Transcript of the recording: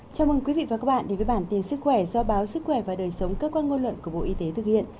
chào mừng quý vị và các bạn đến với bản tin sức khỏe do báo sức khỏe và đời sống cơ quan ngôn luận của bộ y tế thực hiện